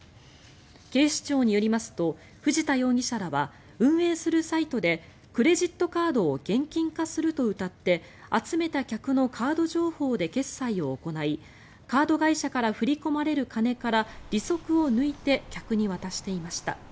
警視庁によりますと藤田容疑者らは運営するサイトでクレジットカードを現金化するとうたって集めた客のカード情報で決済を行いカード会社から振り込まれる金から利息を抜いて客に渡していました。